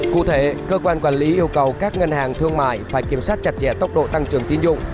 cụ thể cơ quan quản lý yêu cầu các ngân hàng thương mại phải kiểm soát chặt chẽ tốc độ tăng trưởng tín dụng